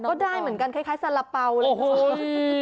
ก็ได้เหมือนกันคล้ายสระเป๋าเลย